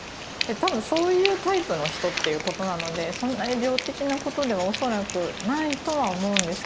多分そういうタイプの人っていうことなのでそんなに病的なことでは恐らくないとは思うんですけど。